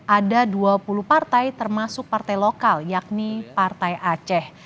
ada dua puluh partai termasuk partai lokal yakni partai aceh